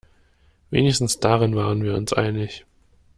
Wenigstens darin waren wir uns einig.